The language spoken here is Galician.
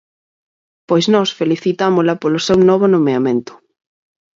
Pois nós felicitámola polo seu novo nomeamento.